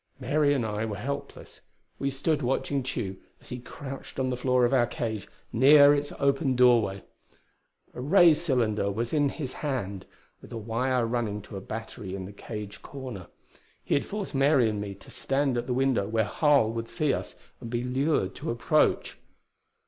Mary and I were helpless. We stood watching Tugh, as he crouched on the floor of our cage near its opened doorway. A ray cylinder was in his hand, with a wire running to a battery in the cage corner. He had forced Mary and me to stand at the window where Harl would see us and be lured to approach.